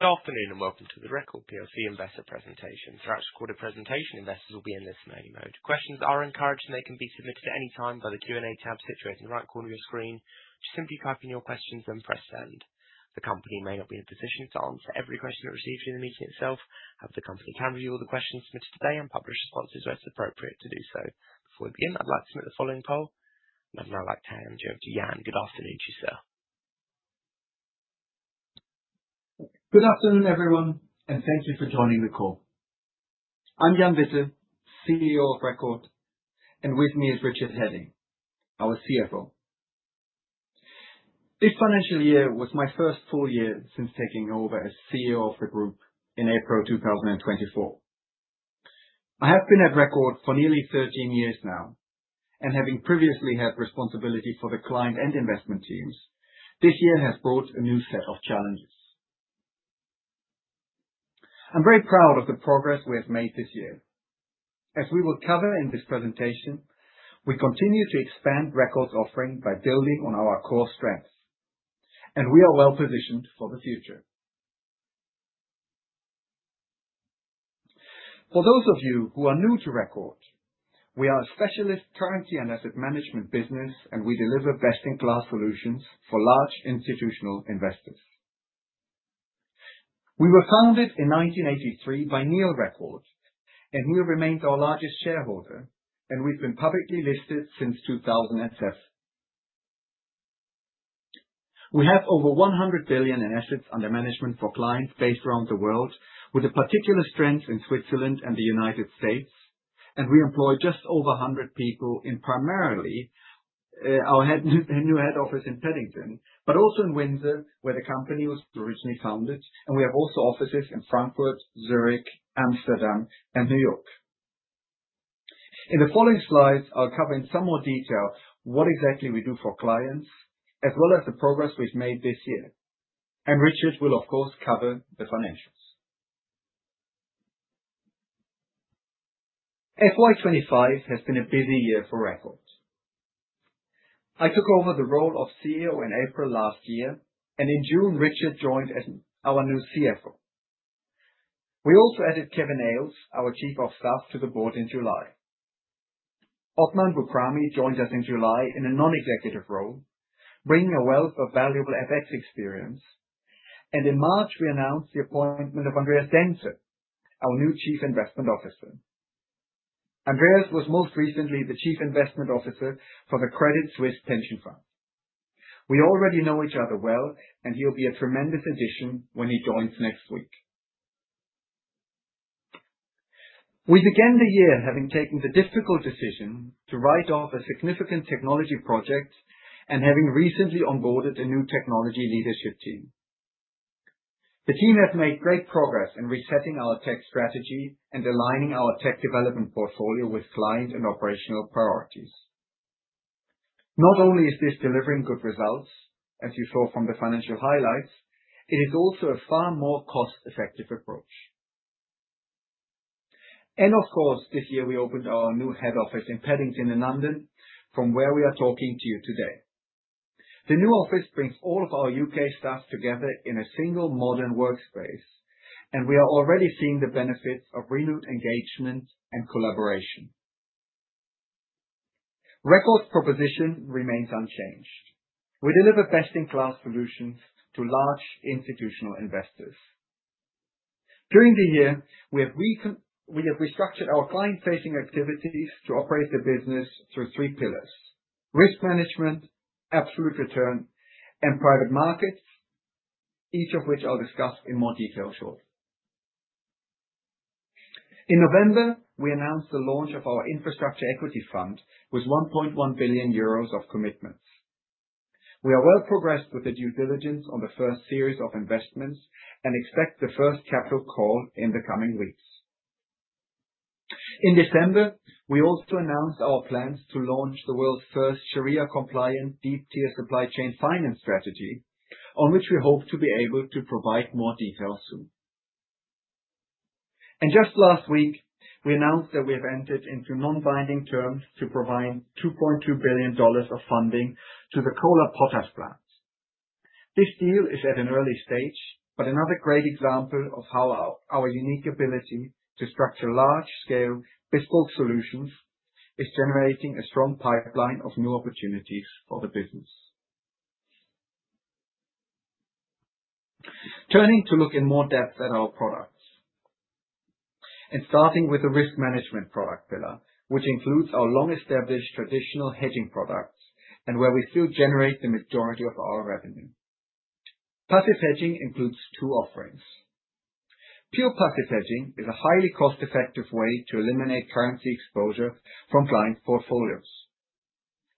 Good afternoon and welcome to the Record PLC investor presentation. Throughout this recorded presentation, investors will be in listening only mode. Questions are encouraged and they can be submitted at any time by the Q&A tab situated in the right corner of your screen. Just simply type in your questions and press send. The company may not be in a position to answer every question that's received during the meeting itself. However, the company can review all the questions submitted today and publish responses where it's appropriate to do so. Before we begin, I'd like to submit the following poll. I'd now like to hand you over to Jan. Good afternoon to you, sir. Good afternoon, everyone, and thank you for joining the call. I'm Jan Witte, CEO of Record, and with me is Richard Heading, our CFO. This financial year was my first full year since taking over as CEO of the group in April 2024. I have been at Record for nearly 13 years now, and having previously had responsibility for the client and investment teams, this year has brought a new set of challenges. I'm very proud of the progress we have made this year. As we will cover in this presentation, we continue to expand Record's offering by building on our core strengths, and we are well positioned for the future. For those of you who are new to Record, we are a specialist currency and asset management business, and we deliver best-in-class solutions for large institutional investors. We were founded in 1983 by Neil Record, and Neil remains our largest shareholder, and we have been publicly listed since 2007. We have over $100 billion in assets under management for clients based around the world, with a particular strength in Switzerland and the United States, and we employ just over 100 people in primarily our new head office in Paddington, but also in Windsor, where the company was originally founded, and we have also offices in Frankfurt, Zurich, Amsterdam, and New York. In the following slides, I will cover in some more detail what exactly we do for clients, as well as the progress we have made this year, and Richard will, of course, cover the financials. FY2025 has been a busy year for Record. I took over the role of CEO in April last year, and in June, Richard joined as our new CFO. We also added Kevin Ayles. Our Chief of Staff to the board in July. Othman Bukhami joined us in July in a non-executive role, bringing a wealth of valuable FX experience, and in March, we announced the appointment of Andreas Denze, our new Chief Investment Officer. Andreas was most recently the Chief Investment Officer for the Credit Suisse Pension Fund. We already know each other well, and he'll be a tremendous addition when he joins next week. We began the year having taken the difficult decision to write off a significant technology project and having recently onboarded a new technology leadership team. The team has made great progress in resetting our tech strategy and aligning our tech development portfolio with client and operational priorities. Not only is this delivering good results, as you saw from the financial highlights, it is also a far more cost-effective approach. Of course, this year we opened our new head office in Paddington in London, from where we are talking to you today. The new office brings all of our U.K. staff together in a single modern workspace, and we are already seeing the benefits of renewed engagement and collaboration. Record's proposition remains unchanged. We deliver best-in-class solutions to large institutional investors. During the year, we have restructured our client-facing activities to operate the business through three pillars: risk management, absolute return, and private markets, each of which I'll discuss in more detail shortly. In November, we announced the launch of our Infrastructure Equity Fund with 1.1 billion euros of commitments. We are well progressed with the due diligence on the first series of investments and expect the first capital call in the coming weeks. In December, we also announced our plans to launch the world's first Sharia-compliant deep-tier supply chain finance strategy, on which we hope to be able to provide more details soon. Just last week, we announced that we have entered into non-binding terms to provide $2.2 billion of funding to the Kohler Potash plant. This deal is at an early stage, but another great example of how our unique ability to structure large-scale bespoke solutions is generating a strong pipeline of new opportunities for the business. Turning to look in more depth at our products and starting with the risk management product pillar, which includes our long-established traditional hedging products and where we still generate the majority of our revenue. Passive hedging includes two offerings. Pure passive hedging is a highly cost-effective way to eliminate currency exposure from client portfolios.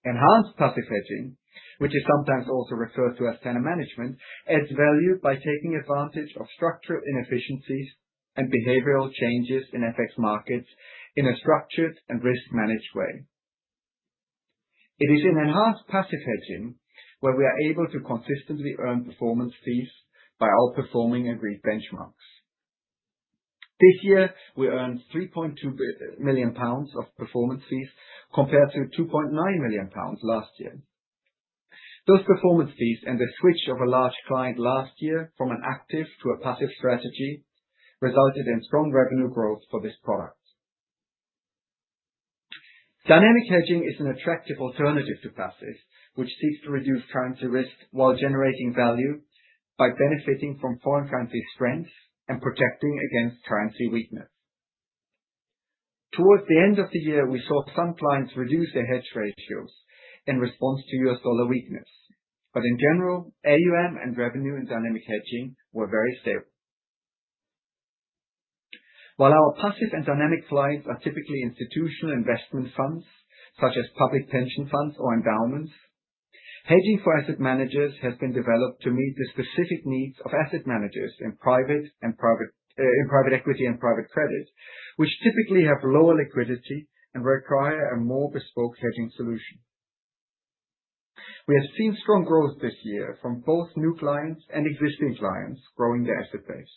Enhanced passive hedging, which is sometimes also referred to as tenor management, adds value by taking advantage of structural inefficiencies and behavioral changes in FX markets in a structured and risk-managed way. It is in enhanced passive hedging where we are able to consistently earn performance fees by outperforming agreed benchmarks. This year, we earned 3.2 million pounds of performance fees compared to 2.9 million pounds last year. Those performance fees and the switch of a large client last year from an active to a passive strategy resulted in strong revenue growth for this product. Dynamic hedging is an attractive alternative to passive, which seeks to reduce currency risk while generating value by benefiting from foreign currency strength and protecting against currency weakness. Towards the end of the year, we saw some clients reduce their hedge ratios in response to US dollar weakness, but in general, AUM and revenue in dynamic hedging were very stable. While our passive and dynamic clients are typically institutional investment funds such as public pension funds or endowments, hedging for asset managers has been developed to meet the specific needs of asset managers in private equity and private credit, which typically have lower liquidity and require a more bespoke hedging solution. We have seen strong growth this year from both new clients and existing clients growing their asset base.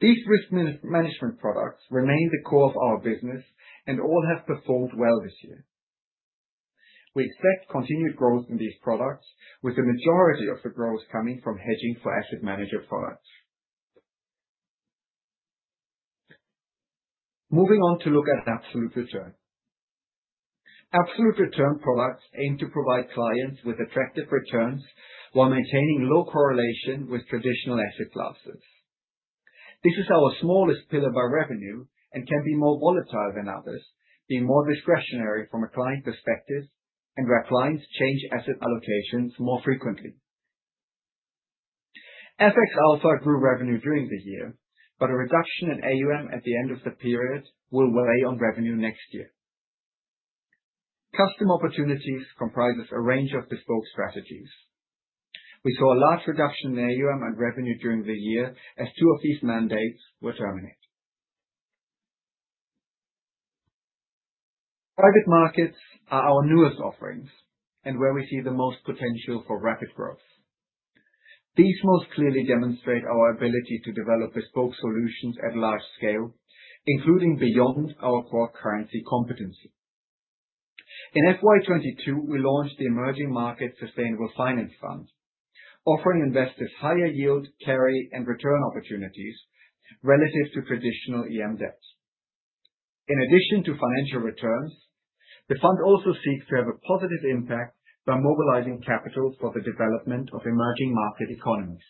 These risk management products remain the core of our business and all have performed well this year. We expect continued growth in these products, with the majority of the growth coming from hedging for asset manager products. Moving on to look at absolute return. Absolute return products aim to provide clients with attractive returns while maintaining low correlation with traditional asset classes. This is our smallest pillar by revenue and can be more volatile than others, being more discretionary from a client perspective and where clients change asset allocations more frequently. FX also grew revenue during the year, but a reduction in AUM at the end of the period will weigh on revenue next year. Custom Opportunities comprises a range of bespoke strategies. We saw a large reduction in AUM and revenue during the year as two of these mandates were terminated. Private markets are our newest offerings and where we see the most potential for rapid growth. These most clearly demonstrate our ability to develop bespoke solutions at large scale, including beyond our core currency competency. In FY22, we launched the Emerging Markets Sustainable Finance Fund, offering investors higher yield, carry, and return opportunities relative to traditional EM debt. In addition to financial returns, the fund also seeks to have a positive impact by mobilizing capital for the development of emerging market economies.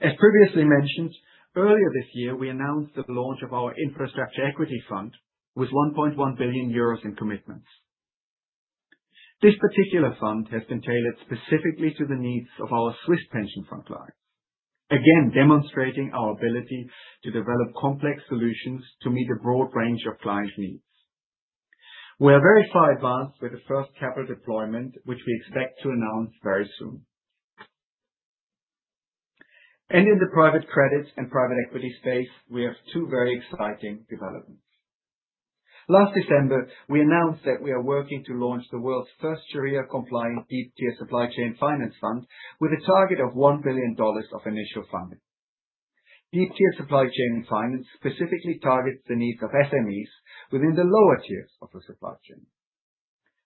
As previously mentioned, earlier this year, we announced the launch of our Infrastructure Equity Fund with 1.1 billion euros in commitments. This particular fund has been tailored specifically to the needs of our Swiss pension fund clients, again demonstrating our ability to develop complex solutions to meet a broad range of client needs. We are very far advanced with the first capital deployment, which we expect to announce very soon. In the private credit and private equity space, we have two very exciting developments. Last December, we announced that we are working to launch the world's first Sharia-compliant deep-tier supply chain finance fund with a target of $1 billion of initial funding. Deep-tier supply chain finance specifically targets the needs of SMEs within the lower tiers of the supply chain.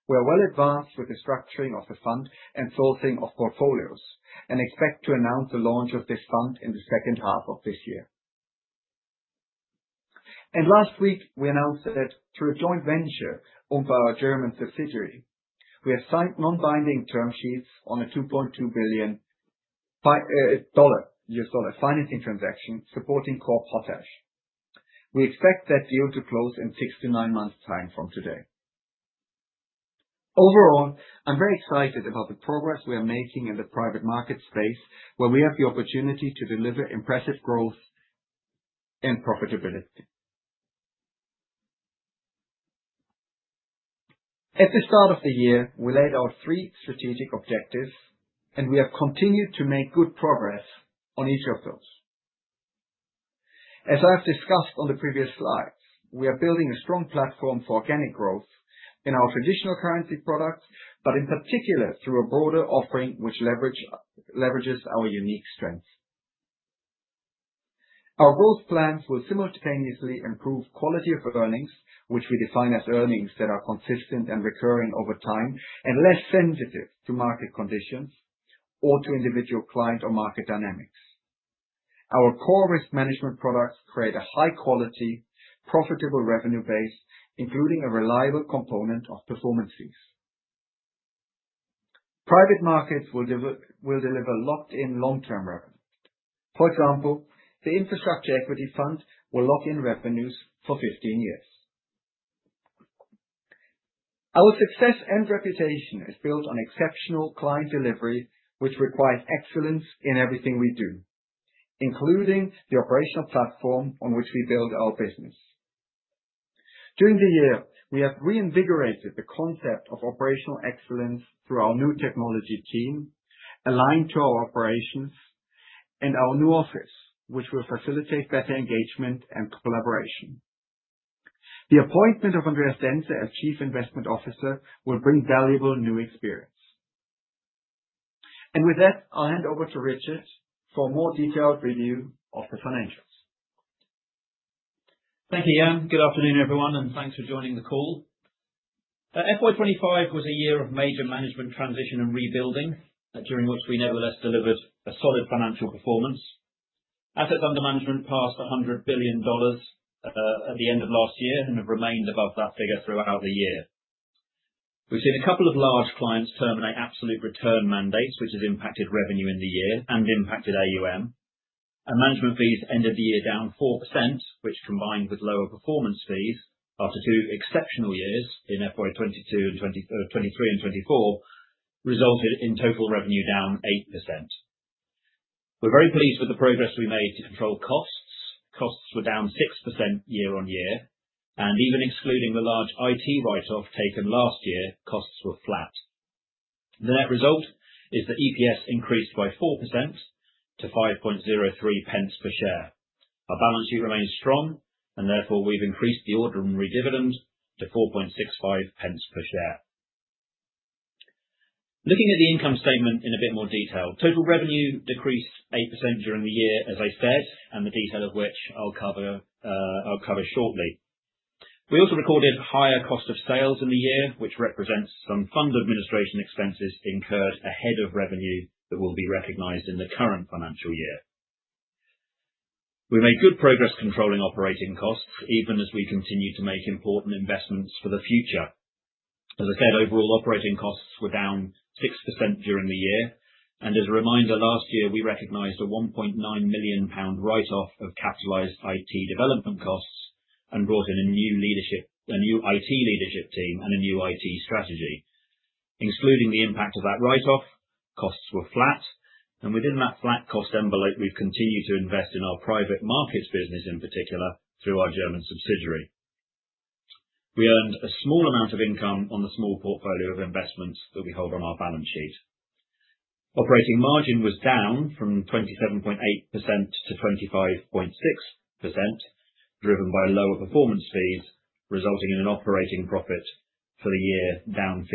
We are well advanced with the structuring of the fund and sourcing of portfolios and expect to announce the launch of this fund in the second half of this year. Last week, we announced that through a joint venture owned by our German subsidiary, we have signed non-binding term sheets on a $2.2 billion financing transaction supporting Kohler Potash. We expect that deal to close in six to nine months' time from today. Overall, I am very excited about the progress we are making in the private market space, where we have the opportunity to deliver impressive growth and profitability. At the start of the year, we laid out three strategic objectives, and we have continued to make good progress on each of those. As I've discussed on the previous slides, we are building a strong platform for organic growth in our traditional currency products, but in particular through a broader offering which leverages our unique strengths. Our growth plans will simultaneously improve quality of earnings, which we define as earnings that are consistent and recurring over time and less sensitive to market conditions or to individual client or market dynamics. Our core risk management products create a high-quality, profitable revenue base, including a reliable component of performance fees. Private markets will deliver locked-in long-term revenue. For example, the Infrastructure Equity Fund will lock in revenues for 15 years. Our success and reputation is built on exceptional client delivery, which requires excellence in everything we do, including the operational platform on which we build our business. During the year, we have reinvigorated the concept of operational excellence through our new technology team, aligned to our operations, and our new office, which will facilitate better engagement and collaboration. The appointment of Andreas Denze as Chief Investment Officer will bring valuable new experience. With that, I'll hand over to Richard for a more detailed review of the financials. Thank you, Jan. Good afternoon, everyone, and thanks for joining the call. Fiscal year 2025 was a year of major management transition and rebuilding, during which we nevertheless delivered a solid financial performance. Assets under management passed $100 billion at the end of last year and have remained above that figure throughout the year. We've seen a couple of large clients terminate absolute return mandates, which has impacted revenue in the year and impacted AUM, and management fees ended the year down 4%, which, combined with lower performance fees after two exceptional years in FY2023 and 2024, resulted in total revenue down 8%. We're very pleased with the progress we made to control costs. Costs were down 6% year on year, and even excluding the large IT write-off taken last year, costs were flat. The net result is that EPS increased by 4%-5.03 pence per share. Our balance sheet remains strong, and therefore we've increased the ordinary dividend to 4.65 pence per share. Looking at the income statement in a bit more detail, total revenue decreased 8% during the year, as I said, and the detail of which I'll cover shortly. We also recorded higher cost of sales in the year, which represents some fund administration expenses incurred ahead of revenue that will be recognized in the current financial year. We made good progress controlling operating costs, even as we continue to make important investments for the future. As I said, overall operating costs were down 6% during the year. As a reminder, last year we recognized a 1.9 million pound write-off of capitalized IT development costs and brought in a new IT leadership team and a new IT strategy. Excluding the impact of that write-off, costs were flat, and within that flat cost envelope, we have continued to invest in our private markets business in particular through our German subsidiary. We earned a small amount of income on the small portfolio of investments that we hold on our balance sheet. Operating margin was down from 27.8%-25.6%, driven by lower performance fees, resulting in an operating profit for the year down 15%.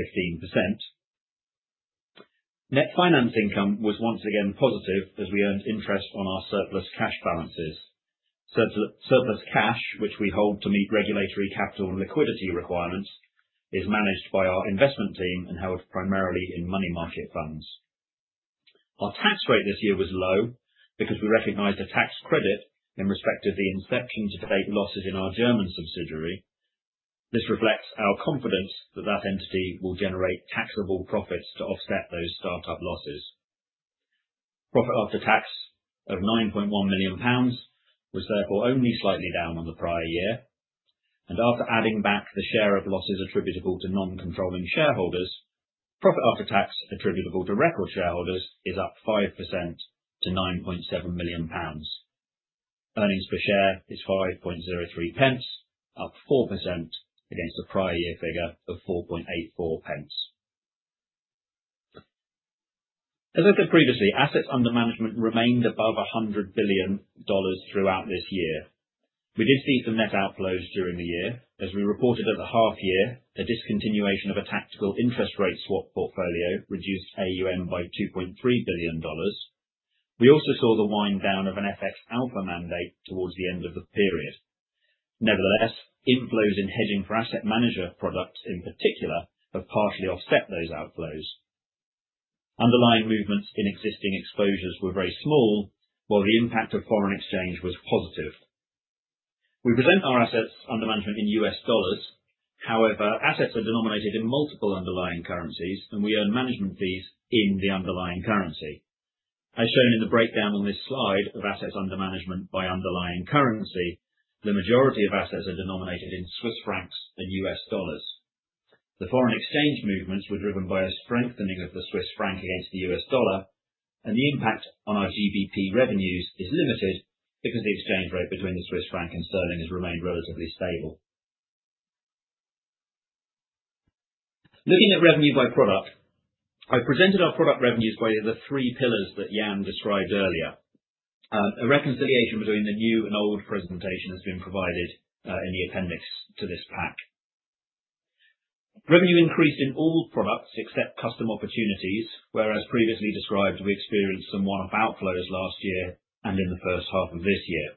Net finance income was once again positive as we earned interest on our surplus cash balances. Surplus cash, which we hold to meet regulatory capital and liquidity requirements, is managed by our investment team and held primarily in money market funds. Our tax rate this year was low because we recognized a tax credit in respect of the inception-to-date losses in our German subsidiary. This reflects our confidence that that entity will generate taxable profits to offset those startup losses. Profit after tax of 9.1 million pounds was therefore only slightly down on the prior year. After adding back the share of losses attributable to non-controlling shareholders, profit after tax attributable to Record shareholders is up 5% to 9.7 million pounds. Earnings per share is 5.03 pence, up 4% against a prior year figure of 4.84 pence. As I said previously, assets under management remained above $100 billion throughout this year. We did see some net outflows during the year. As we reported at the half year, the discontinuation of a tactical interest rate swap portfolio reduced AUM by $2.3 billion. We also saw the wind down of an FX Alpha mandate towards the end of the period. Nevertheless, inflows in Hedging for Asset Managers products in particular have partially offset those outflows. Underlying movements in existing exposures were very small, while the impact of foreign exchange was positive. We present our assets under management in US dollars. However, assets are denominated in multiple underlying currencies, and we earn management fees in the underlying currency. As shown in the breakdown on this slide of assets under management by underlying currency, the majority of assets are denominated in Swiss francs and US dollars. The foreign exchange movements were driven by a strengthening of the Swiss franc against the US dollar, and the impact on our GBP revenues is limited because the exchange rate between the Swiss franc and sterling has remained relatively stable. Looking at revenue by product, I've presented our product revenues by the three pillars that Jan described earlier. A reconciliation between the new and old presentation has been provided in the appendix to this pack. Revenue increased in all products except Custom Opportunities, whereas previously described, we experienced some one-off outflows last year and in the first half of this year.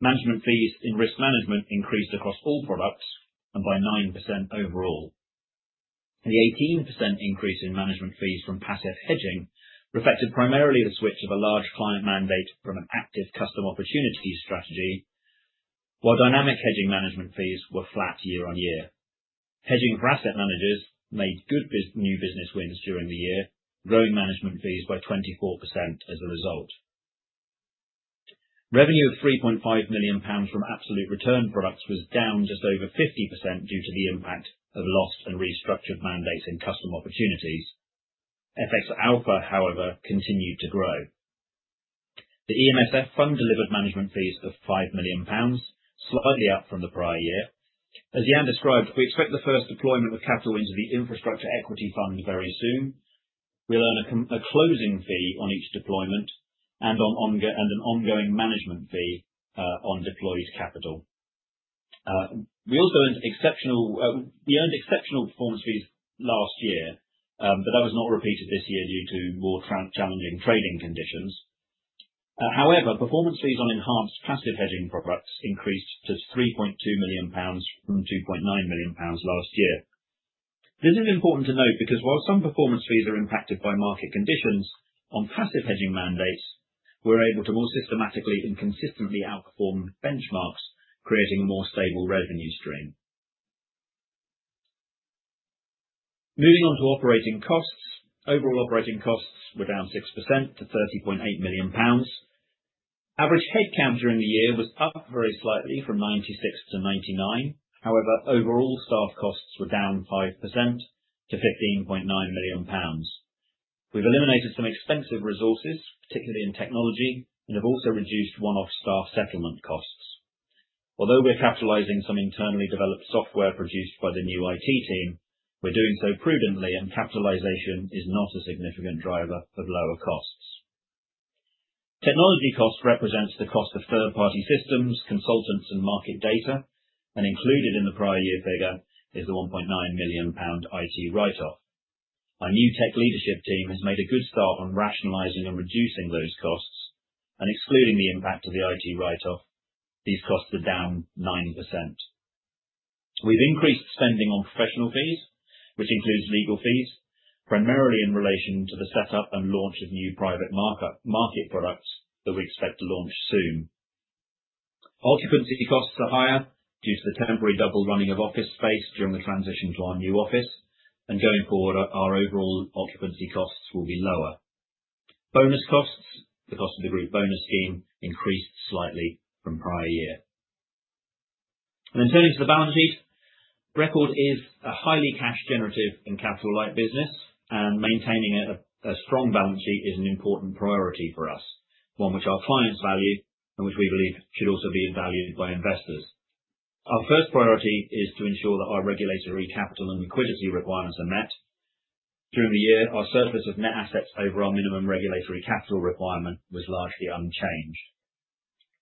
Management fees in risk management increased across all products by 9% overall. The 18% increase in management fees from passive hedging reflected primarily the switch of a large client mandate from an active custom opportunity strategy, while dynamic hedging management fees were flat year on year. Hedging for asset managers made good new business wins during the year, growing management fees by 24% as a result. Revenue of 3.5 million pounds from absolute return products was down just over 50% due to the impact of lost and restructured mandates in custom opportunities. FX Alpha, however, continued to grow. The EMSF fund delivered management fees of 5 million pounds, slightly up from the prior year. As Jan described, we expect the first deployment of capital into the Infrastructure Equity Fund very soon. We'll earn a closing fee on each deployment and an ongoing management fee on deployed capital. We also earned exceptional performance fees last year, but that was not repeated this year due to more challenging trading conditions. However, performance fees on enhanced passive hedging products increased to 3.2 million pounds from 2.9 million pounds last year. This is important to note because while some performance fees are impacted by market conditions, on passive hedging mandates, we're able to more systematically and consistently outperform benchmarks, creating a more stable revenue stream. Moving on to operating costs, overall operating costs were down 6% to 30.8 million pounds. Average headcount during the year was up very slightly from 96-99. However, overall staff costs were down 5% to 15.9 million pounds. We've eliminated some expensive resources, particularly in technology, and have also reduced one-off staff settlement costs. Although we're capitalizing some internally developed software produced by the new IT team, we're doing so prudently, and capitalization is not a significant driver of lower costs. Technology costs represent the cost of third-party systems, consultants, and market data, and included in the prior year figure is the 1.9 million pound IT write-off. Our new tech leadership team has made a good start on rationalizing and reducing those costs and excluding the impact of the IT write-off. These costs are down 9%. We've increased spending on professional fees, which includes legal fees, primarily in relation to the setup and launch of new private market products that we expect to launch soon. Occupancy costs are higher due to the temporary double running of office space during the transition to our new office, and going forward, our overall occupancy costs will be lower. Bonus costs, the cost of the group bonus scheme, increased slightly from prior year. In turning to the balance sheet, Record is a highly cash-generative and capital-light business, and maintaining a strong balance sheet is an important priority for us, one which our clients value and which we believe should also be valued by investors. Our first priority is to ensure that our regulatory capital and liquidity requirements are met. During the year, our surplus of net assets over our minimum regulatory capital requirement was largely unchanged.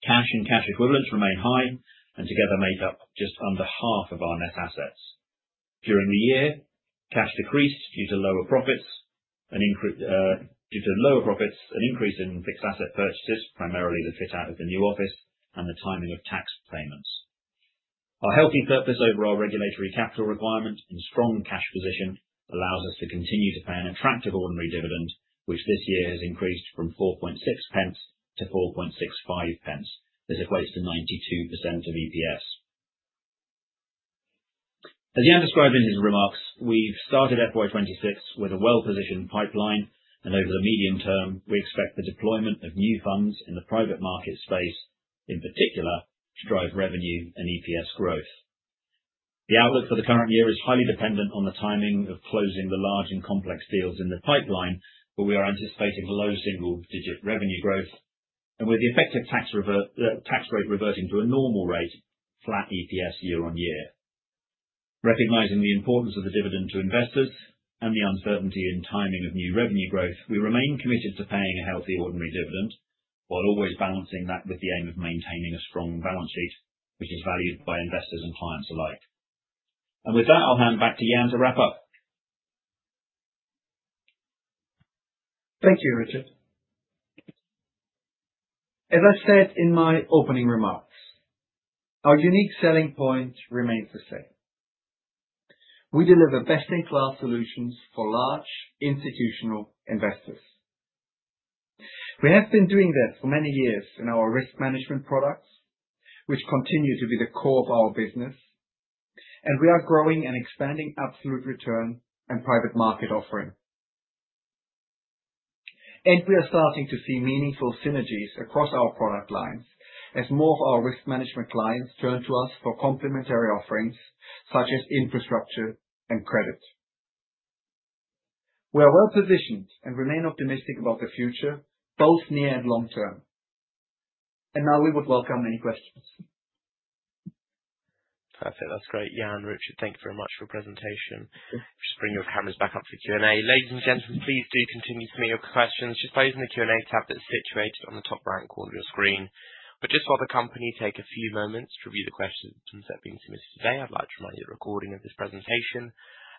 Cash and cash equivalents remain high and together make up just under half of our net assets. During the year, cash decreased due to lower profits and increase in fixed asset purchases, primarily the fit out of the new office and the timing of tax payments. Our healthy surplus over our regulatory capital requirement and strong cash position allows us to continue to pay an attractive ordinary dividend, which this year has increased from 4.6 pence to 4.65 pence. This equates to 92% of EPS. As Jan described in his remarks, we've started FY2026 with a well-positioned pipeline, and over the medium term, we expect the deployment of new funds in the private market space, in particular, to drive revenue and EPS growth. The outlook for the current year is highly dependent on the timing of closing the large and complex deals in the pipeline, but we are anticipating low single-digit revenue growth and with the effective tax rate reverting to a normal rate, flat EPS year on year. Recognizing the importance of the dividend to investors and the uncertainty in timing of new revenue growth, we remain committed to paying a healthy ordinary dividend while always balancing that with the aim of maintaining a strong balance sheet, which is valued by investors and clients alike. I'll hand back to Jan to wrap up. Thank you, Richard. As I said in my opening remarks, our unique selling point remains the same. We deliver best-in-class solutions for large institutional investors. We have been doing this for many years in our risk management products, which continue to be the core of our business, and we are growing and expanding absolute return and private market offering. We are starting to see meaningful synergies across our product lines as more of our risk management clients turn to us for complementary offerings such as infrastructure and credit. We are well-positioned and remain optimistic about the future, both near and long term. Now we would welcome any questions. Perfect. That is great. Jan, Richard, thank you very much for your presentation. Just bring your cameras back up for Q&A. Ladies and gentlemen, please do continue to submit your questions just by using the Q&A tab that is situated on the top right corner of your screen. While the company takes a few moments to review the questions that have been submitted today, I would like to remind you that the recording of this presentation,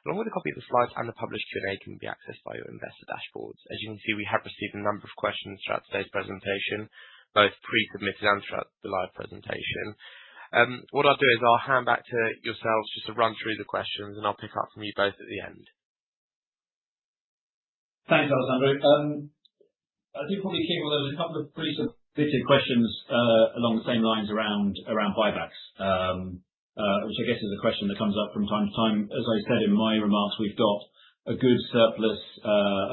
along with a copy of the slides and the published Q&A, can be accessed by your investor dashboards. As you can see, we have received a number of questions throughout today's presentation, both pre-submitted and throughout the live presentation. What I'll do is I'll hand back to yourselves just to run through the questions, and I'll pick up from you both at the end. Thanks, Alexander. I think probably, King, there was a couple of pre-submitted questions along the same lines around buybacks, which I guess is a question that comes up from time to time. As I said in my remarks, we've got a good surplus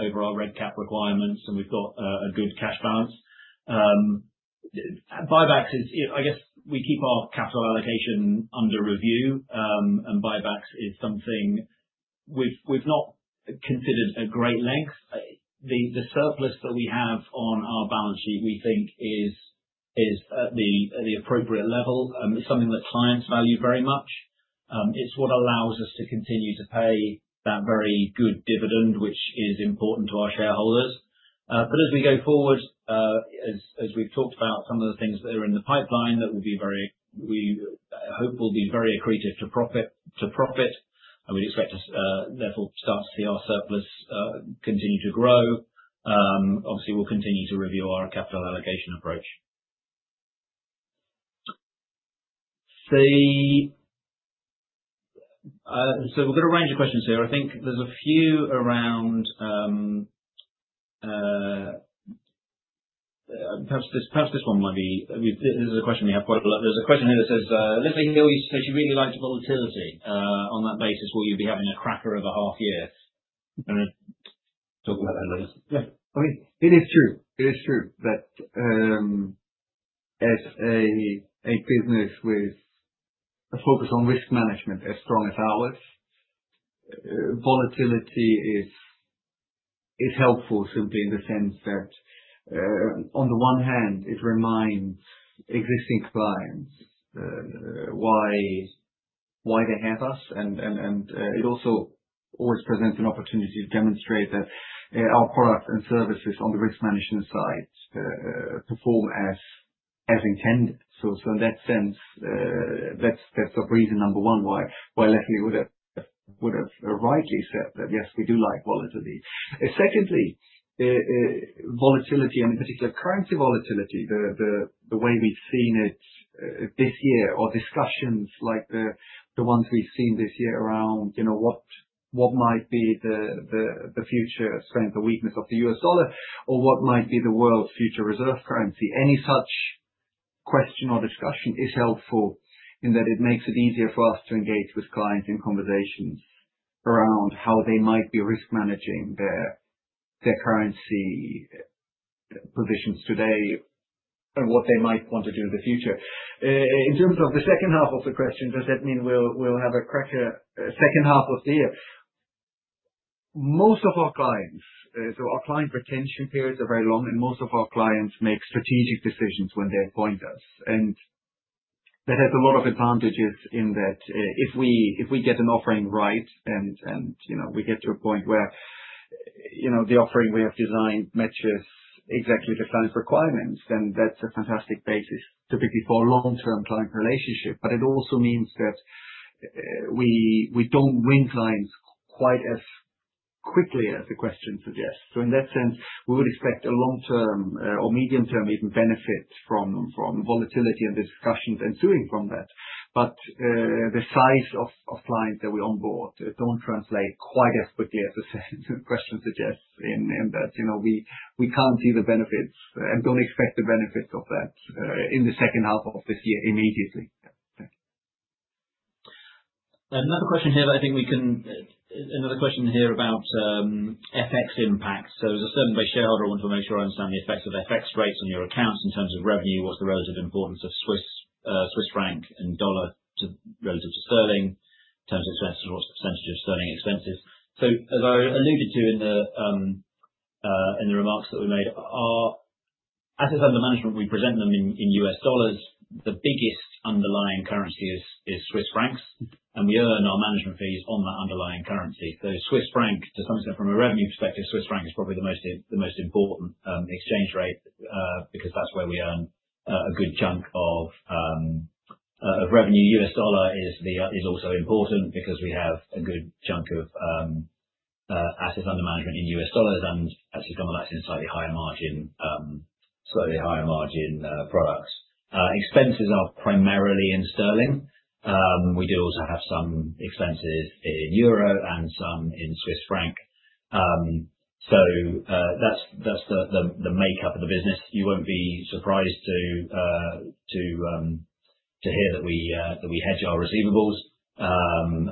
over our red cap requirements, and we've got a good cash balance. Buybacks is, I guess, we keep our capital allocation under review, and buybacks is something we've not considered at great length. The surplus that we have on our balance sheet, we think, is at the appropriate level. It's something that clients value very much. It's what allows us to continue to pay that very good dividend, which is important to our shareholders. As we go forward, as we've talked about, some of the things that are in the pipeline that we hope will be very accretive to profit, and we'd expect to therefore start to see our surplus continue to grow. Obviously, we'll continue to review our capital allocation approach. We've got a range of questions here. I think there's a few around perhaps this one might be, this is a question we have quite a lot. There's a question here that says, "Leslie Healy says she really likes volatility." On that basis, will you be having a cracker of a half year? Talk about that, please. Yeah. I mean, it is true. It is true that as a business with a focus on risk management as strong as ours, volatility is helpful simply in the sense that, on the one hand, it reminds existing clients why they have us, and it also always presents an opportunity to demonstrate that our products and services on the risk management side perform as intended. In that sense, that's reason number one why Leslie would have rightly said that, yes, we do like volatility. Secondly, volatility and in particular currency volatility, the way we've seen it this year, or discussions like the ones we've seen this year around what might be the future strength or weakness of the US dollar, or what might be the world's future reserve currency, any such question or discussion is helpful in that it makes it easier for us to engage with clients in conversations around how they might be risk managing their currency positions today and what they might want to do in the future. In terms of the second half of the question, does that mean we'll have a cracker second half of the year? Most of our clients, so our client retention periods are very long, and most of our clients make strategic decisions when they appoint us. That has a lot of advantages in that if we get an offering right and we get to a point where the offering we have designed matches exactly the client's requirements, then that's a fantastic basis typically for a long-term client relationship. It also means that we don't win clients quite as quickly as the question suggests. In that sense, we would expect a long-term or medium-term even benefit from volatility and the discussions ensuing from that. The size of clients that we onboard does not translate quite as quickly as the question suggests in that we can't see the benefits and don't expect the benefits of that in the second half of this year immediately. Thank you. Another question here that I think we can, another question here about FX impact. As a certain-based shareholder, I want to make sure I understand the effects of FX rates on your accounts in terms of revenue. What's the relative importance of Swiss franc and dollar relative to sterling? In terms of expenses, what's the percentage of sterling expenses? As I alluded to in the remarks that we made, our assets under management, we present them in $US dollars. The biggest underlying currency is Swiss francs, and we earn our management fees on that underlying currency. So Swiss franc, to some extent from a revenue perspective, Swiss franc is probably the most important exchange rate because that's where we earn a good chunk of revenue. $US dollar is also important because we have a good chunk of assets under management in $US dollars and actually some of that's in slightly higher margin products. Expenses are primarily in sterling. We do also have some expenses in euro and some in Swiss franc. That is the makeup of the business. You will not be surprised to hear that we hedge our receivables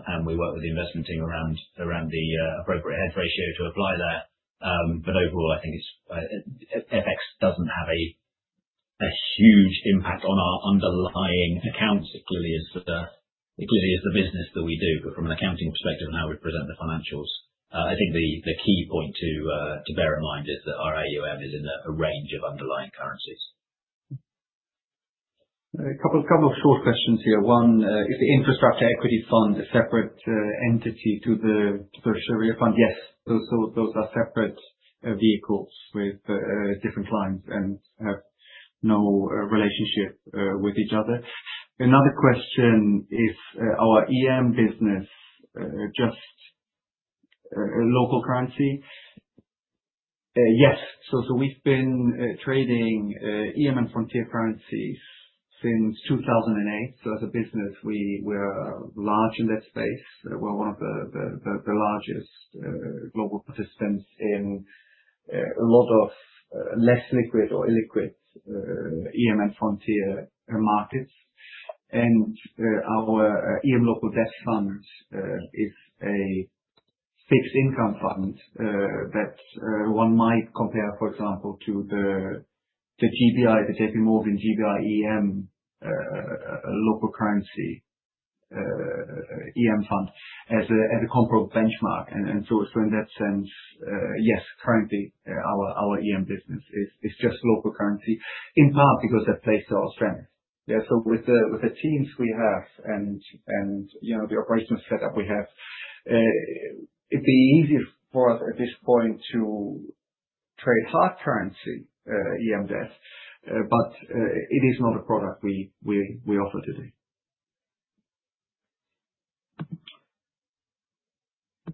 and we work with the investment team around the appropriate hedge ratio to apply there. Overall, I think FX does not have a huge impact on our underlying accounts, clearly as the business that we do, but from an accounting perspective and how we present the financials. I think the key point to bear in mind is that our AUM is in a range of underlying currencies. A couple of short questions here. One, is the Infrastructure Equity Fund a separate entity to the tertiary fund? Yes. Those are separate vehicles with different clients and have no relationship with each other. Another question, is our EM business just local currency? Yes. We have been trading EM and frontier currencies since 2008. As a business, we are large in that space. We are one of the largest global participants in a lot of less liquid or illiquid EM and frontier markets. Our EM local debt fund is a fixed income fund that one might compare, for example, to the JPMorgan GBI-EM local currency EM fund as a comparable benchmark. In that sense, yes, currently our EM business is just local currency, in part because that plays to our strength. With the teams we have and the operational setup we have, it would be easier for us at this point to trade hard currency EM debt, but it is not a product we offer today.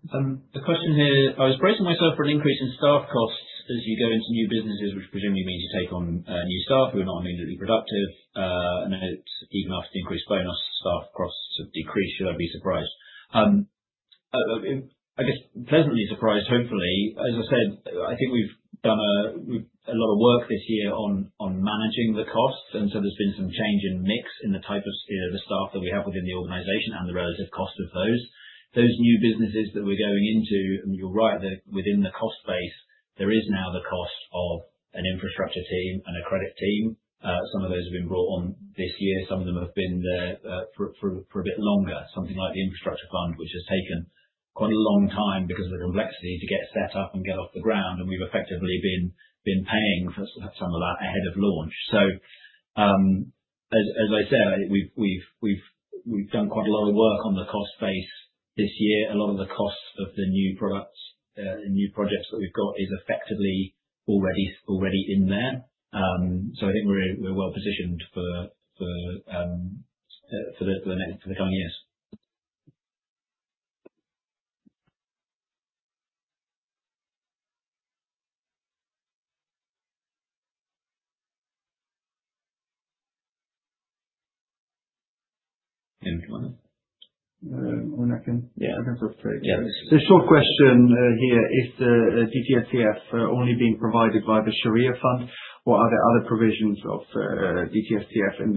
The question here, "I was bracing myself for an increase in staff costs as you go into new businesses, which presumably means you take on new staff who are not immediately productive. And even after the increased bonus, staff costs have decreased. Should I be surprised?" I guess pleasantly surprised, hopefully. As I said, I think we've done a lot of work this year on managing the costs. There has been some change in mix in the type of staff that we have within the organization and the relative cost of those. Those new businesses that we're going into, and you're right, within the cost base, there is now the cost of an infrastructure team and a credit team. Some of those have been brought on this year. Some of them have been there for a bit longer, something like the infrastructure fund, which has taken quite a long time because of the complexity to get set up and get off the ground. We have effectively been paying for some of that ahead of launch. As I said, we have done quite a lot of work on the cost base this year. A lot of the costs of the new products and new projects that we have got is effectively already in there. I think we are well-positioned for the coming years. Yeah. One second. Yeah. I can sort of trade those. Short question here. Is the DTSCF only being provided by the Sharia fund, or are there other provisions of DTSCF in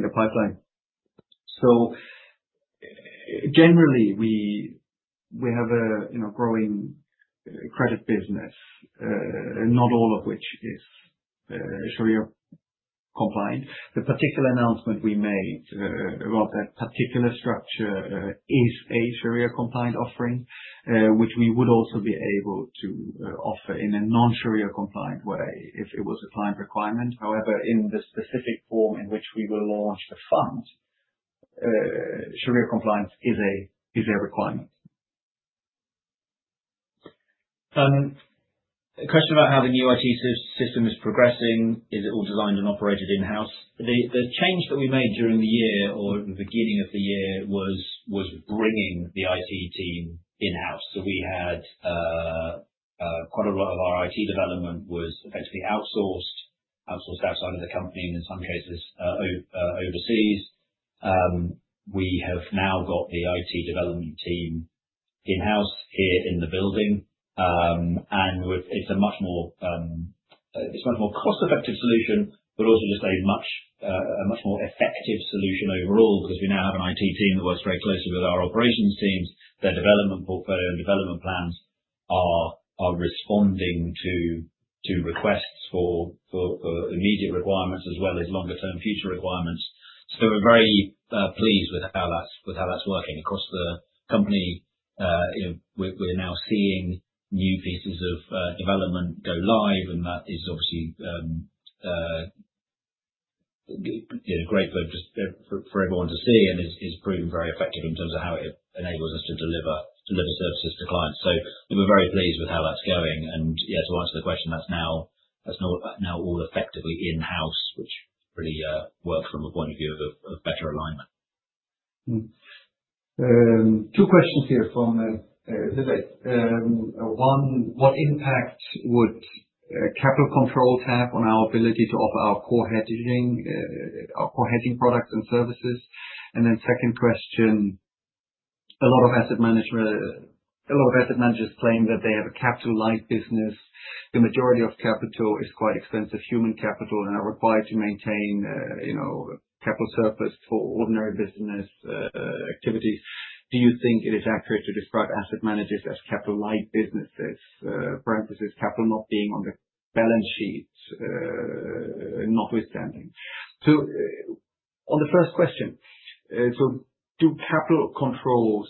the pipeline? Generally, we have a growing credit business, not all of which is Sharia compliant. The particular announcement we made about that particular structure is a Sharia-compliant offering, which we would also be able to offer in a non-Sharia-compliant way if it was a client requirement. However, in the specific form in which we will launch the fund, Sharia compliance is a requirement. A question about how the new IT system is progressing. Is it all designed and operated in-house? The change that we made during the year or the beginning of the year was bringing the IT team in-house. So we had quite a lot of our IT development was effectively outsourced, outsourced outside of the company and in some cases overseas. We have now got the IT development team in-house here in the building. It is a much more cost-effective solution, but also just a much more effective solution overall because we now have an IT team that works very closely with our operations teams. Their development portfolio and development plans are responding to requests for immediate requirements as well as longer-term future requirements. We are very pleased with how that is working. Across the company, we are now seeing new pieces of development go live, and that is obviously great for everyone to see and is proving very effective in terms of how it enables us to deliver services to clients. We are very pleased with how that is going. To answer the question, that is now all effectively in-house, which really works from a point of view of better alignment. Two questions here from Leslie. One, what impact would capital controls have on our ability to offer our core hedging products and services? Then second question, a lot of asset managers claim that they have a capital-like business. The majority of capital is quite expensive human capital and are required to maintain capital surplus for ordinary business activities. Do you think it is accurate to describe asset managers as capital-like businesses, capital not being on the balance sheet, notwithstanding? On the first question, could capital controls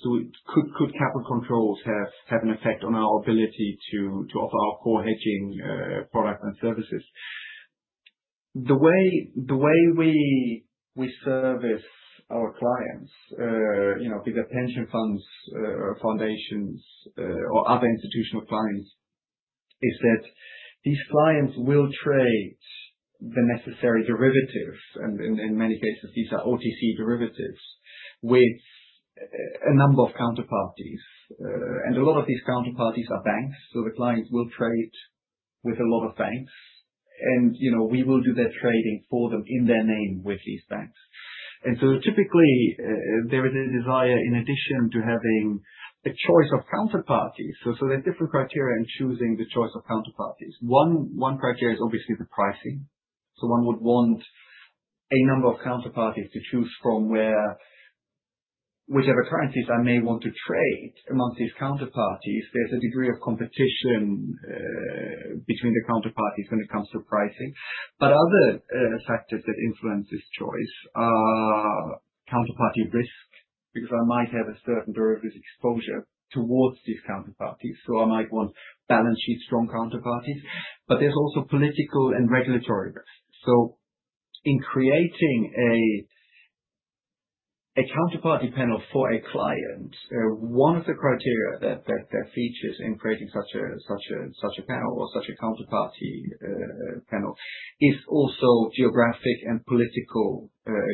have an effect on our ability to offer our core hedging products and services? The way we service our clients, be that pension funds, foundations, or other institutional clients, is that these clients will trade the necessary derivatives. In many cases, these are OTC derivatives with a number of counterparties. A lot of these counterparties are banks. The clients will trade with a lot of banks, and we will do their trading for them in their name with these banks. Typically, there is a desire in addition to having a choice of counterparties. There are different criteria in choosing the choice of counterparties. One criteria is obviously the pricing. One would want a number of counterparties to choose from where whichever currencies I may want to trade amongst these counterparties. There is a degree of competition between the counterparties when it comes to pricing. Other factors that influence this choice are counterparty risk because I might have a certain derivatives exposure towards these counterparties. I might want balance sheet-strong counterparties. There is also political and regulatory risk. In creating a counterparty panel for a client, one of the criteria that features in creating such a panel or such a counterparty panel is also geographic and political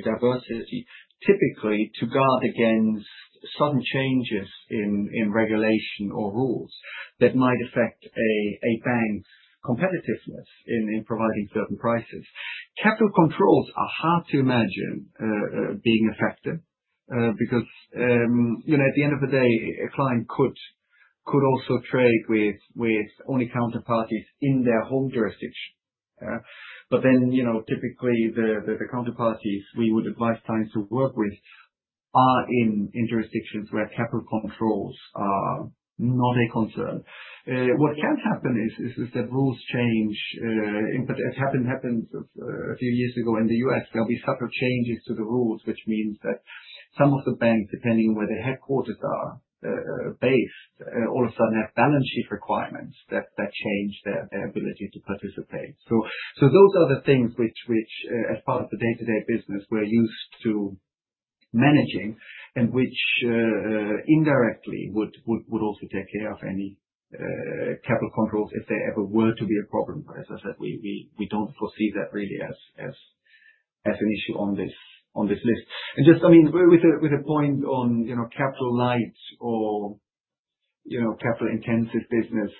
diversity, typically to guard against sudden changes in regulation or rules that might affect a bank's competitiveness in providing certain prices. Capital controls are hard to imagine being effective because at the end of the day, a client could also trade with only counterparties in their home jurisdiction. Typically, the counterparties we would advise clients to work with are in jurisdictions where capital controls are not a concern. What can happen is that rules change. It happened a few years ago in the U.S. There'll be subtle changes to the rules, which means that some of the banks, depending on where their headquarters are based, all of a sudden have balance sheet requirements that change their ability to participate. Those are the things which, as part of the day-to-day business, we're used to managing and which indirectly would also take care of any capital controls if there ever were to be a problem. As I said, we don't foresee that really as an issue on this list. Just, I mean, with a point on capital-light or capital-intensive business,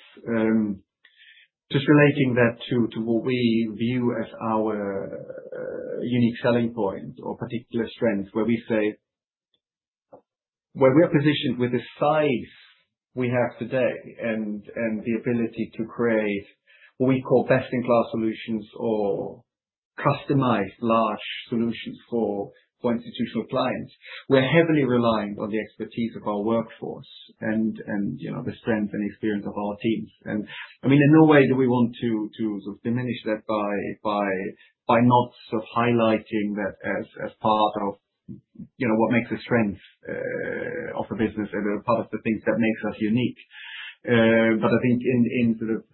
just relating that to what we view as our unique selling point or particular strength, where we say, where we're positioned with the size we have today and the ability to create what we call best-in-class solutions or customized large solutions for institutional clients, we're heavily reliant on the expertise of our workforce and the strength and experience of our teams. I mean, in no way do we want to diminish that by not sort of highlighting that as part of what makes the strength of a business and part of the things that makes us unique. I think in sort of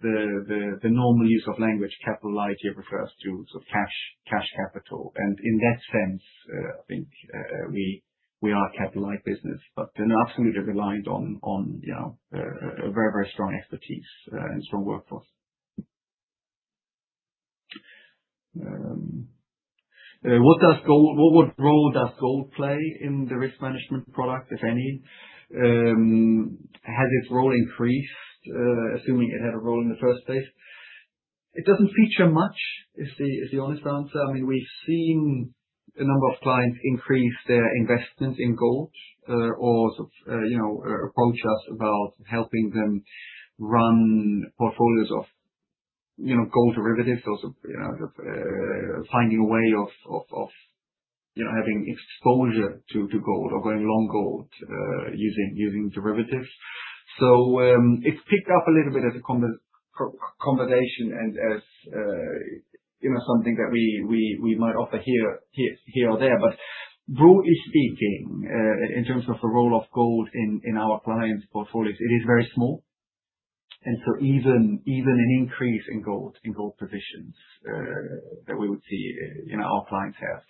the normal use of language, capital-light here refers to sort of cash capital. In that sense, I think we are a capital-light business, but absolutely reliant on very, very strong expertise and strong workforce. What role does gold play in the risk management product, if any? Has its role increased, assuming it had a role in the first place? It does not feature much, is the honest answer. I mean, we have seen a number of clients increase their investments in gold or sort of approach us about helping them run portfolios of gold derivatives or sort of finding a way of having exposure to gold or going long gold using derivatives. It has picked up a little bit as a conversation and as something that we might offer here or there. Broadly speaking, in terms of the role of gold in our clients' portfolios, it is very small. Even an increase in gold positions that we would see our clients have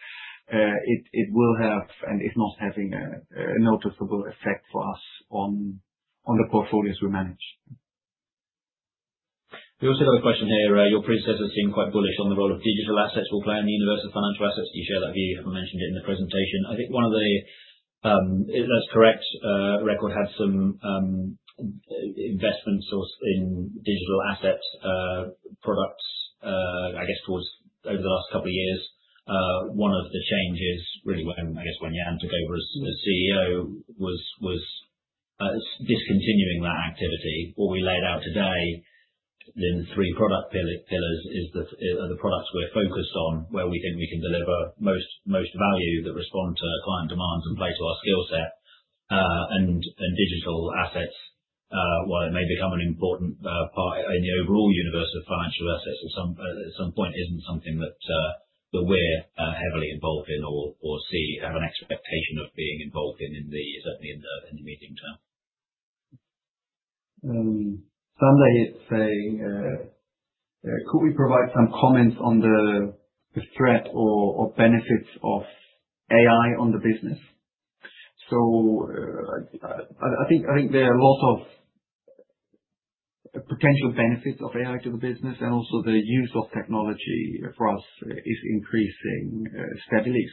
will have and is not having a noticeable effect for us on the portfolios we manage. We also got a question here. Your predecessor seemed quite bullish on the role of digital assets for clients, the universe of financial assets. Do you share that view? You have not mentioned it in the presentation. I think one of the—that is correct. Record had some investments in digital asset products, I guess, over the last couple of years. One of the changes really, I guess, when Jan took over as CEO was discontinuing that activity. What we laid out today in three product pillars is the products we are focused on, where we think we can deliver most value that respond to client demands and play to our skill set. Digital assets, while it may become an important part in the overall universe of financial assets at some point, is not something that we are heavily involved in or have an expectation of being involved in, certainly in the medium term. Somebody is saying, "Could we provide some comments on the threat or benefits of AI on the business?" I think there are a lot of potential benefits of AI to the business, and also the use of technology for us is increasing steadily.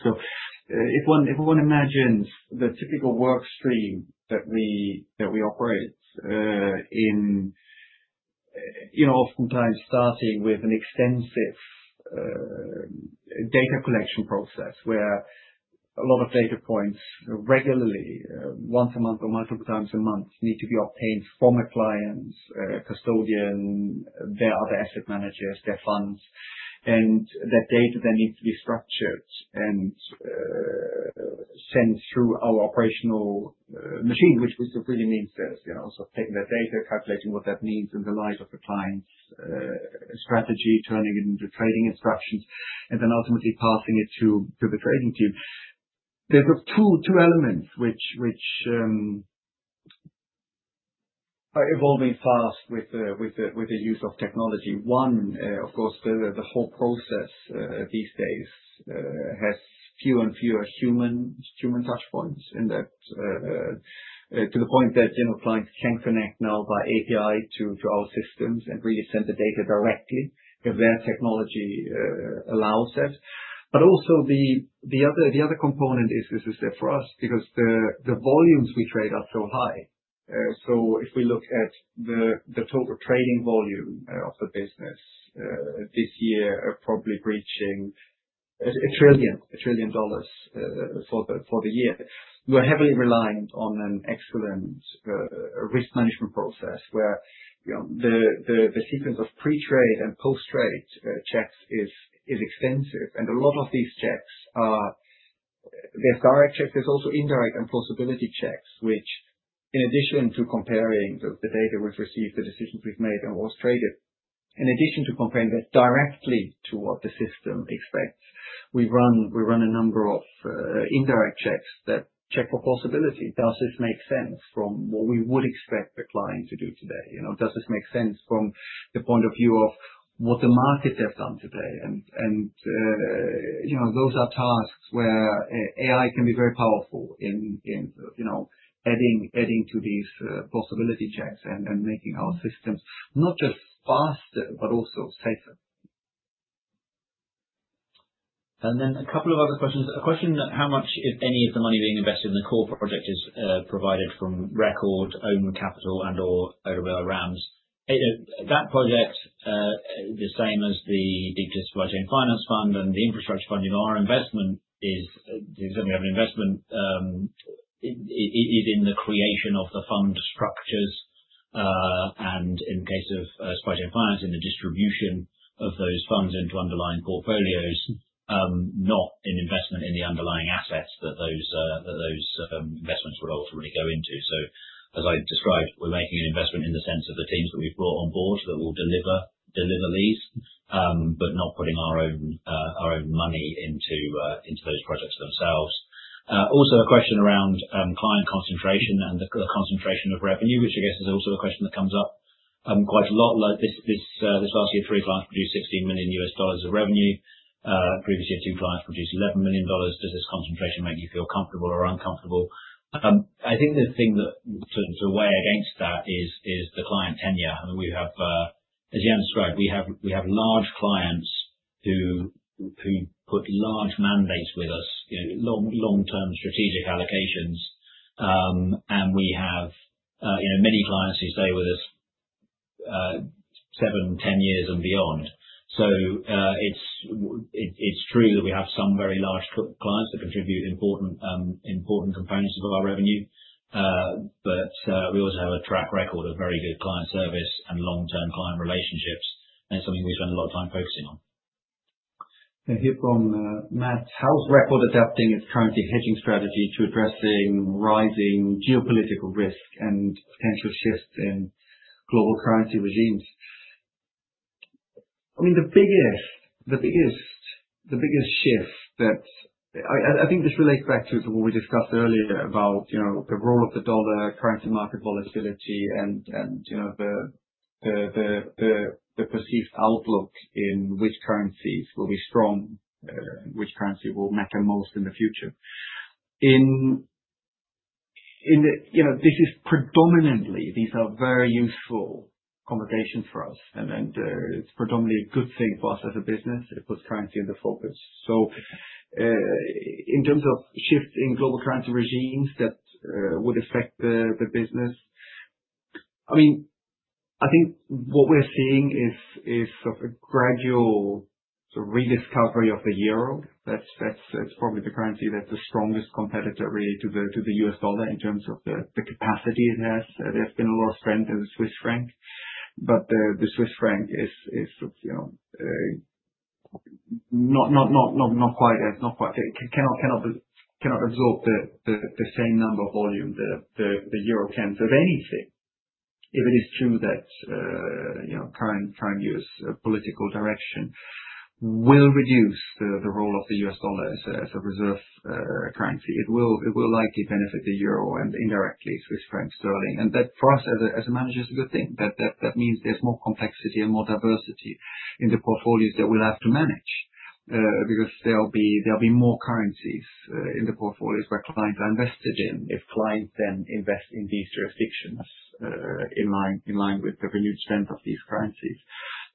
If one imagines the typical workstream that we operate in, oftentimes starting with an extensive data collection process where a lot of data points regularly, once a month or multiple times a month, need to be obtained from a client, custodian, their other asset managers, their funds, and that data then needs to be structured and sent through our operational machine, which really means this. Taking that data, calculating what that means in the light of the client's strategy, turning it into trading instructions, and then ultimately passing it to the trading team. There are sort of two elements which are evolving fast with the use of technology. One, of course, the whole process these days has fewer and fewer human touchpoints in that to the point that clients can connect now by API to our systems and really send the data directly if their technology allows it. Also, the other component is there for us because the volumes we trade are so high. If we look at the total trading volume of the business this year, probably breaching $1 trillion for the year, we are heavily reliant on an excellent risk management process where the sequence of pre-trade and post-trade checks is extensive. A lot of these checks are direct checks. are also indirect and plausibility checks, which, in addition to comparing the data we've received, the decisions we've made, and what was traded, in addition to comparing that directly to what the system expects, we run a number of indirect checks that check for plausibility. Does this make sense from what we would expect the client to do today? Does this make sense from the point of view of what the markets have done today? Those are tasks where AI can be very powerful in adding to these plausibility checks and making our systems not just faster, but also safer. A couple of other questions. A question about how much, if any, of the money being invested in the core project is provided from Record, owned capital, and/or OWL RAMS. That project is the same as the Deep-Tier Supply Chain Finance Fund and the Infrastructure Equity Fund. Our investment is—we have an investment in the creation of the fund structures and, in the case of supply chain finance, in the distribution of those funds into underlying portfolios, not an investment in the underlying assets that those investments would ultimately go into. As I described, we're making an investment in the sense of the teams that we've brought on board that will deliver these, but not putting our own money into those projects themselves. Also, a question around client concentration and the concentration of revenue, which, I guess, is also a question that comes up quite a lot. This last year, three clients produced $16 million of revenue. Previous year, two clients produced $11 million. Does this concentration make you feel comfortable or uncomfortable? I think the thing to weigh against that is the client tenure. As Jan described, we have large clients who put large mandates with us, long-term strategic allocations, and we have many clients who stay with us seven, 10 years, and beyond. It is true that we have some very large clients that contribute important components of our revenue, but we also have a track record of very good client service and long-term client relationships, and it is something we spend a lot of time focusing on. Here from Matt's House, Record adapting its current hedging strategy to addressing rising geopolitical risk and potential shifts in global currency regimes. I mean, the biggest shift that I think this relates back to what we discussed earlier about the role of the dollar, currency market volatility, and the perceived outlook in which currencies will be strong, which currency will matter most in the future. This is predominantly—these are very useful conversations for us, and it is predominantly a good thing for us as a business. It puts currency in the focus. In terms of shifts in global currency regimes that would affect the business, I mean, I think what we are seeing is a gradual rediscovery of the euro. That is probably the currency that is the strongest competitor really to the US dollar in terms of the capacity it has. There has been a lot of strength in the Swiss franc, but the Swiss franc is not quite as—it cannot absorb the same number of volume that the euro can. If anything, if it is true that current US political direction will reduce the role of the US dollar as a reserve currency, it will likely benefit the euro and indirectly Swiss franc, sterling. That, for us as a manager, is a good thing. That means there's more complexity and more diversity in the portfolios that we'll have to manage because there'll be more currencies in the portfolios where clients are invested in if clients then invest in these jurisdictions in line with the renewed strength of these currencies.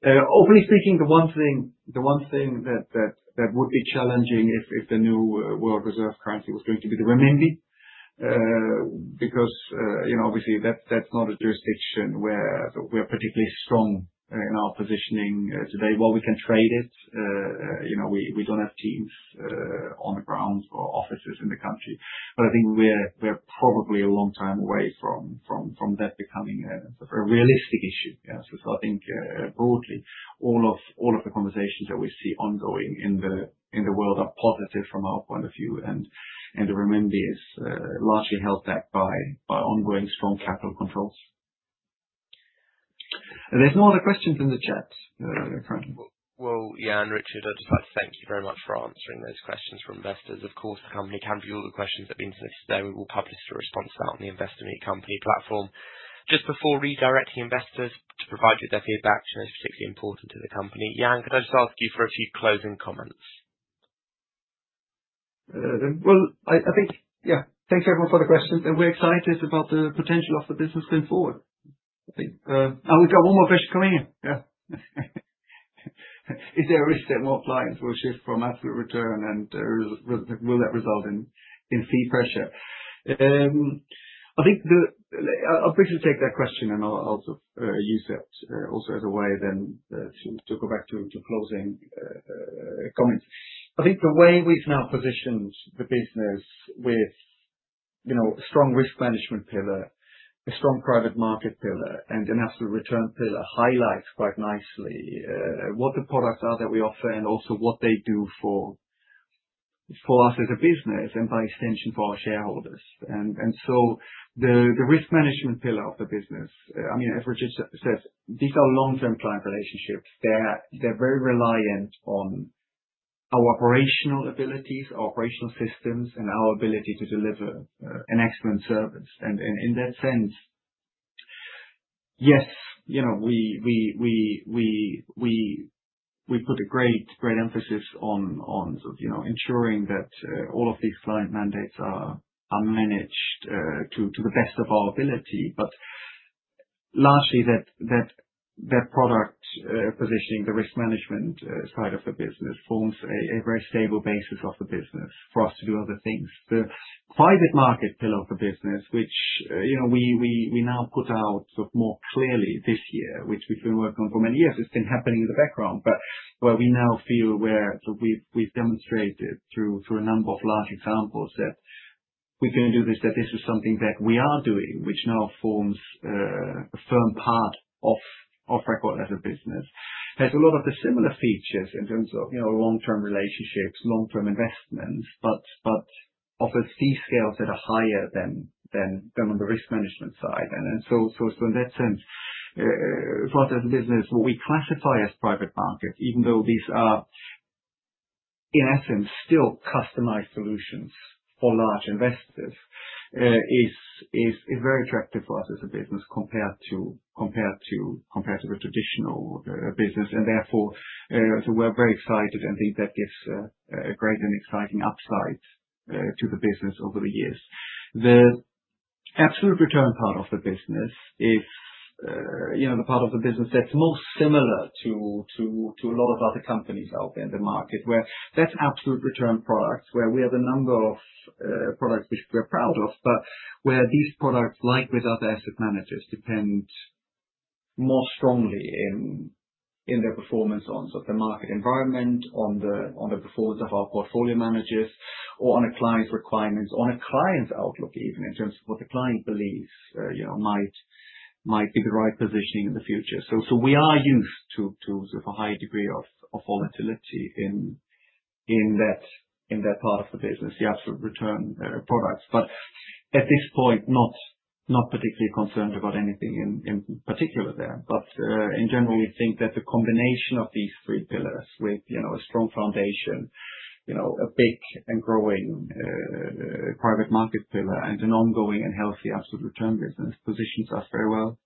Openly speaking, the one thing that would be challenging if the new world reserve currency was going to be the renminbi because, obviously, that's not a jurisdiction where we're particularly strong in our positioning today. While we can trade it, we don't have teams on the ground or offices in the country. I think we're probably a long time away from that becoming a realistic issue. I think, broadly, all of the conversations that we see ongoing in the world are positive from our point of view, and the renminbi is largely held back by ongoing strong capital controls. The is no other questions in the chat currently. Jan, Richard, I'd just like to thank you very much for answering those questions for investors. Of course, the company can view all the questions that have been submitted today. We will publish the response out on the Investor Meet Company platform. Just before redirecting investors to provide you with their feedback, which I know is particularly important to the company, Jan, could I just ask you for a few closing comments? I think, yeah, thanks everyone for the questions. We're excited about the potential of the business going forward. I think we've got one more question coming in. Yeah. Is there a risk that more clients will shift from absolute return, and will that result in fee pressure? I'll briefly take that question, and I'll sort of use that also as a way then to go back to closing comments. I think the way we've now positioned the business with a strong risk management pillar, a strong private market pillar, and an absolute return pillar highlights quite nicely what the products are that we offer and also what they do for us as a business and, by extension, for our shareholders. The risk management pillar of the business, I mean, as Richard says, these are long-term client relationships. They're very reliant on our operational abilities, our operational systems, and our ability to deliver an excellent service. In that sense, yes, we put a great emphasis on ensuring that all of these client mandates are managed to the best of our ability. Largely, that product positioning, the risk management side of the business, forms a very stable basis of the business for us to do other things. The private market pillar of the business, which we now put out sort of more clearly this year, which we have been working on for many years, it has been happening in the background, but where we now feel where we have demonstrated through a number of large examples that we can do this, that this is something that we are doing, which now forms a firm part of Record as a business, has a lot of the similar features in terms of long-term relationships, long-term investments, but offers fee scales that are higher than on the risk management side. In that sense, for us as a business, what we classify as private market, even though these are, in essence, still customized solutions for large investors, is very attractive for us as a business compared to a traditional business. Therefore, we are very excited and think that gives a great and exciting upside to the business over the years. The absolute return part of the business is the part of the business that's most similar to a lot of other companies out there in the market, where that's absolute return products, where we have a number of products which we're proud of, but where these products, like with other asset managers, depend more strongly in their performance on the market environment, on the performance of our portfolio managers, or on a client's requirements, on a client's outlook even, in terms of what the client believes might be the right positioning in the future. We are used to a high degree of volatility in that part of the business, the absolute return products. At this point, not particularly concerned about anything in particular there. In general, we think that the combination of these three pillars with a strong foundation, a big and growing private market pillar, and an ongoing and healthy absolute return business positions us very well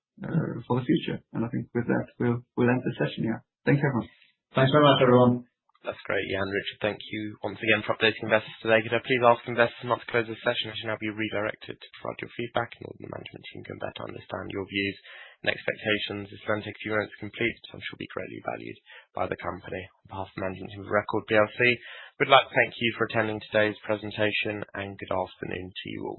for the future. I think with that, we'll end the session here. Thanks, everyone. Thanks very much, everyone. That's great, Jan, Richard. Thank you once again for updating investors today. Could I please ask investors not to close the session? You should now be redirected to provide your feedback, and the management team can better understand your views and expectations. This will then take a few minutes to complete, but I'm sure it'll be greatly valued by the company. On behalf of the management team of Record, we'd like to thank you for attending today's presentation, and good afternoon to you all.